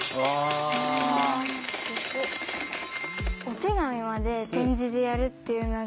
お手紙まで点字でやるっていうのが